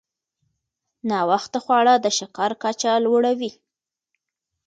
ناوخته خواړه د شکر کچه لوړوي.